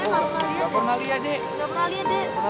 gak pernah liat